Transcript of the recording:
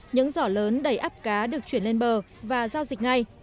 những giỏ lớn đầy áp cá được chuyển lên bờ và giao dịch ngay